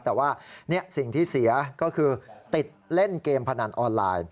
แต่ว่าสิ่งที่เสียก็คือติดเล่นเกมพนันออนไลน์